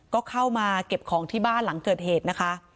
ก็เข้ามาเก็บของที่บ้านหลังเกิดเหตุนะคะ